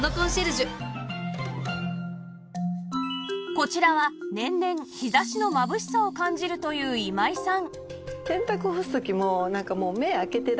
こちらは年々日差しのまぶしさを感じるという今井さん